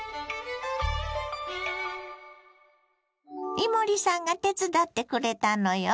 伊守さんが手伝ってくれたのよ。